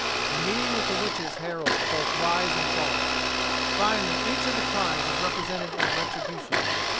A meeting with the witches heralds both rise and fall. Finally, each of the crimes is represented in the Retribution.